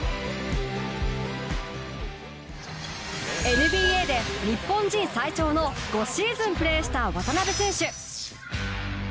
ＮＢＡで日本人最長の５シーズンプレーした渡邊選手。